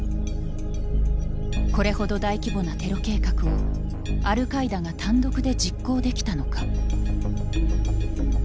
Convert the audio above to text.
これほど大規模なテロ計画をアルカイダが単独で実行できたのか。